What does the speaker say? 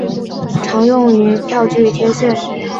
常用于票据贴现。